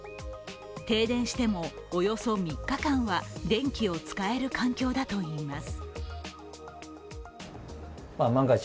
停電しても、およそ３日間は電気を使える環境だといいます。